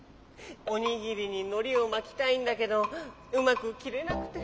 おにぎりにのりをまきたいんだけどうまくきれなくて。